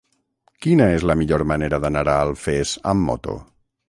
Quina és la millor manera d'anar a Alfés amb moto?